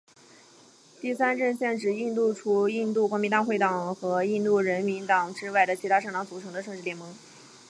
第三阵线指印度除印度国民大会党和印度人民党之外的其它政党组成的政治联盟。